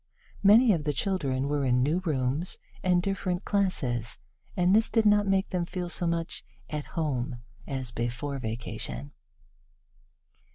Many of the children were in new rooms and different classes, and this did not make them feel so much "at home" as before vacation.